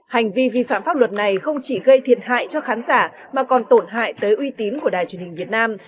hành vi vi phạm pháp luật này không chỉ gây thiệt hại cho khán giả mà còn tổn hại tới uy tín của đài truyền hình việt nam